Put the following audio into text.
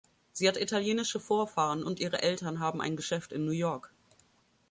Sie hat italienische Vorfahren und ihre Eltern haben ein Geschäft in New York.